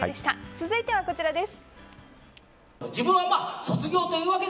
続いてはこちらです。